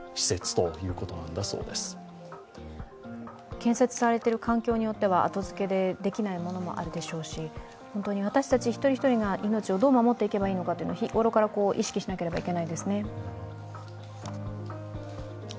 建設されてる環境によっては後付けでできないものもあるでしょうし、私たち一人一人が命をどう守っていけばいいのかというのは日ごろから意識しないといけないですね。